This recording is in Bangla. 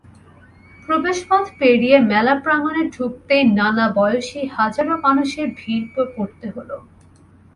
প্রবেশপথ পেরিয়ে মেলা প্রাঙ্গণে ঢুকতেই নানা বয়সী হাজারো মানুষের ভিড়ে পড়তে হলো।